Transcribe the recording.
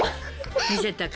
見せたか。